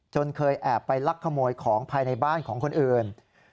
เคยแอบไปลักขโมยของภายในบ้านของคนอื่น